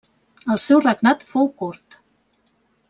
El seu regnat fou curt.